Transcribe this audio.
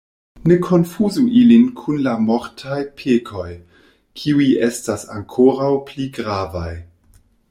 Ne konfuzu ilin kun la mortaj pekoj, kiuj estas ankoraŭ pli gravaj.